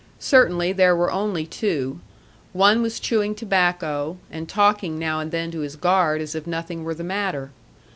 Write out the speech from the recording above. Certainly there were only two. One was chewing tobacco, and talking now and then to his guard as if nothing were the matter.